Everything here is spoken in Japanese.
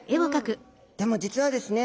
でも実はですね